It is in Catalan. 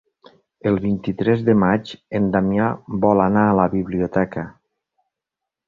El vint-i-tres de maig en Damià vol anar a la biblioteca.